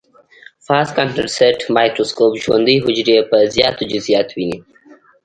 فاز کانټرسټ مایکروسکوپ ژوندۍ حجرې په زیاتو جزئیاتو ويني.